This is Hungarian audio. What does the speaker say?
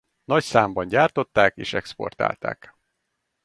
Nagy számban gyártották és exportálták.